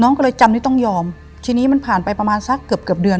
ก็เลยจำที่ต้องยอมทีนี้มันผ่านไปประมาณสักเกือบเกือบเดือน